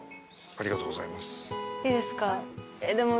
ありがとうございます。